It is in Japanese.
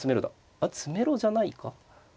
あっ詰めろじゃないか？